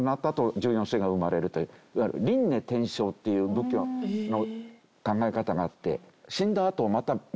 いわゆる輪廻転生っていう仏教の考え方があって。